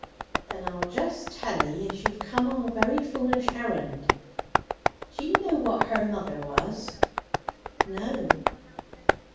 "Then I'll just tell 'ee you've come on a very foolish errand. D'ye know what her mother was?" "No."